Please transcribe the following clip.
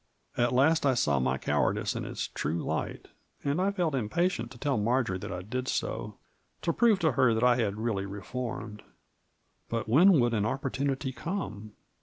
At last I saw my cowardice in its true light, and I felt impatient to tell Marjory that I did so, to prove to her that I had really reformed : but when would an opportunity come